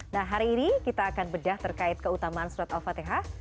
nah hari ini kita akan bedah terkait keutamaan surat al fatihah